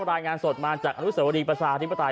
รายงานสดมาจากอนุสวรีประชาธิปไตย